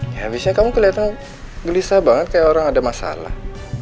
ya habisnya kamu kelihatan gelisah banget kayak orang ada masalah